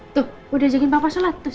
tuh mau diajakin papa sholat tuh